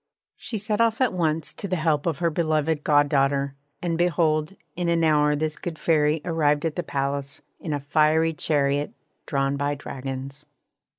She set off at once to the help of her beloved goddaughter, and behold in an hour this good Fairy arrived at the palace, in a fiery chariot drawn by dragons.